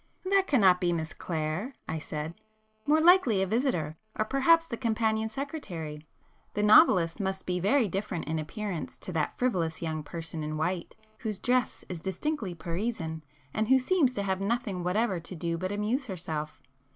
"That cannot be Miss Clare," I said—"More likely a visitor,—or perhaps the companion secretary. The novelist must be very different in appearance to that frivolous young person in white, whose dress is distinctly Parisian, and who seems to have nothing whatever to do but amuse herself."